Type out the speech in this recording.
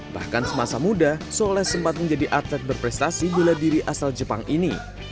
bahkan semasa muda soleh sempat menjadi atlet berprestasi bela diri asal jepang ini